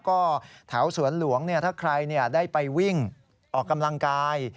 ก็แถวสวนหลวงถ้าใครได้ไปวิ่งออกกำลังกาย